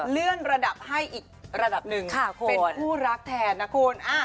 ระดับให้อีกระดับหนึ่งเป็นคู่รักแทนนะคุณ